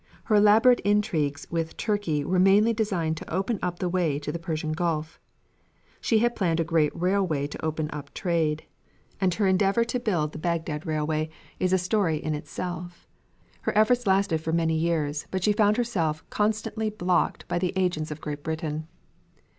Her elaborate intrigues with Turkey were mainly designed to open up the way to the Persian Gulf. She had planned a great railway to open up trade, and her endeavor to build the Bagdad Railway is a story in itself. Her efforts had lasted for many years, but she found herself constantly blocked by the agents of Great Britain.